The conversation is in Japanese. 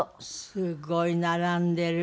すごい並んでる。